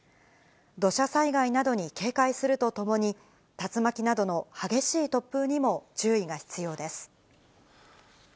土砂災害などに警戒するとともに、竜巻などの激しい突風にも注意が必要です。